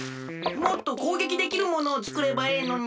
もっとこうげきできるものをつくればええのに！